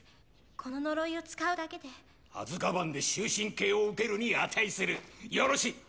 この呪いを使うだけでアズカバンで終身刑を受けるに値するよろしい